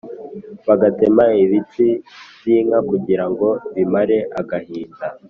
Bagatema ibitsi by inka kugira ngo bimare agahinda